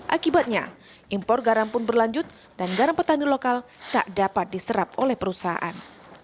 akibatnya impor garam pun berlanjut dan garam petani lokal tak dapat diserap oleh perusahaan